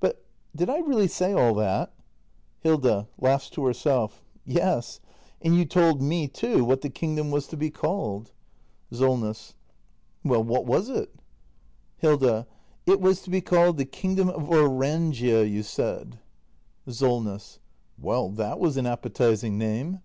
But did I really say all that ? Hilda. [Laughs to herself.] Yes. And you told me, too, what the kingdom was to be called. Solness. Well, what was it ? 302 THE MASTER BUILDER [act i Hilda. It was to be called the kingdom of Orangia, 1 you said. SOLNESS. Well, that was an appetising name.